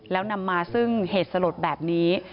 แล้วนำมาซึ่งเหตุสลดแบบนี้